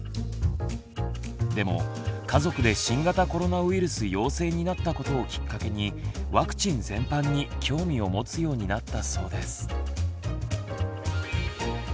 でも家族で新型コロナウイルス陽性になったことをきっかけにワクチン全般に興味を持つようになったそうです。